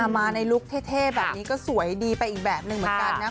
มาในลุคเท่แบบนี้ก็สวยดีไปอีกแบบหนึ่งเหมือนกันนะ